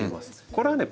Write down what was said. これはね